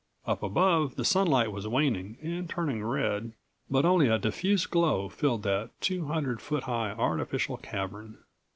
Up above the sunlight was waning, and turning red, but only a diffuse glow filled that two hundred foot high artificial cavern.